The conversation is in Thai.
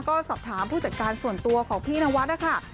ก็สอบถามผู้จัดการส่วนตัวของพี่นวัดนะคะ